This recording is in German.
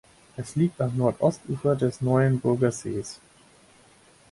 Es liegt am Nordostufer des Neuenburgersees.